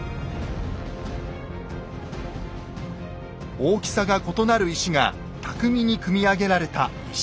大きさが異なる石が巧みに組み上げられた石垣。